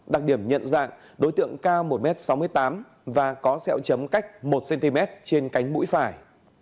đặc điểm nhận dạng đối tượng cao một m sáu mươi tám và có sẹo chấm cách một cm trên cánh mũi phải